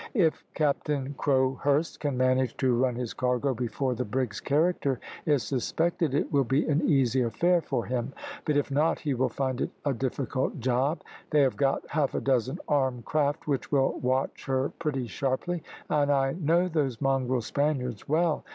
"If Captain Crowhurst can manage to run his cargo before the brig's character is suspected it will be an easy affair for him, but if not he will find it a difficult job. They have got half a dozen armed craft, which will watch her pretty sharply, and I know those mongrel Spaniards well.